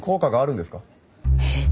えっ？